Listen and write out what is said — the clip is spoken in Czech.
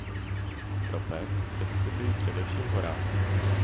V tropech se vyskytují především v horách.